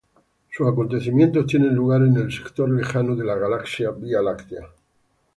Sus acontecimientos tienen lugar en un sector lejano de la galaxia Vía Láctea.